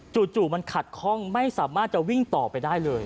จู่มันขัดข้องไม่สามารถจะวิ่งต่อไปได้เลย